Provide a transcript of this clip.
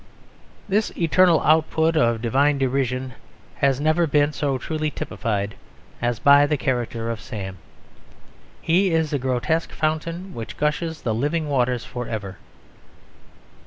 This eternal output of divine derision has never been so truly typified as by the character of Sam; he is a grotesque fountain which gushes the living waters for ever.